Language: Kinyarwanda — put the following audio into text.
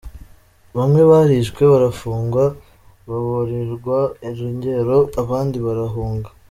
Bamwe barishwe, barafungwa, baburirwa irengero abandi barahunga.